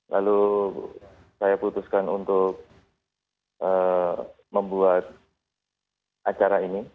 lalu saya putuskan untuk membuat acara ini